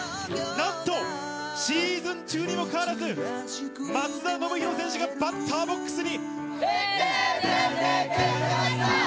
なんと、シーズン中にもかかわらず、松田のぶひろ選手がバッターボックスに。